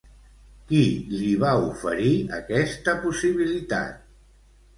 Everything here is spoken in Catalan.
Qui li va oferir aquesta possibilitat?